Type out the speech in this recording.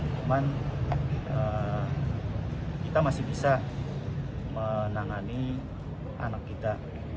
cuman kita masih bisa menangani anak kita